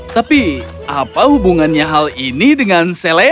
tapi apa hubungannya hal ini dengan si malaikat